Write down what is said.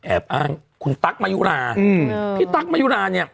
แอบอ้างคุณตั๊กมายุราพี่ตั๊กมายุราเนี่ย